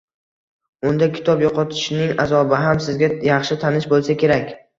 Unda kitob yo`qotishning azobi ham sizga yaxshi tanish bo`lsa kerak